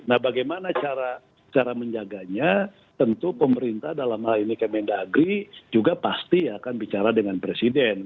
nah bagaimana cara menjaganya tentu pemerintah dalam hal ini kemendagri juga pasti akan bicara dengan presiden